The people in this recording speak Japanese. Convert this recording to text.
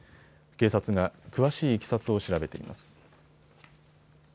警察が詳しいいきさつを調べています。